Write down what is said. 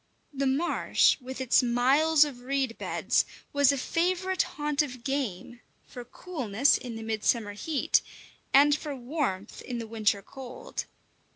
The marsh, with its miles of reed beds, was a favourite haunt of game, for coolness in the midsummer heat, and for warmth in the winter cold.